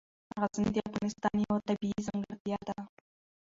غزني د افغانستان یوه طبیعي ځانګړتیا ده.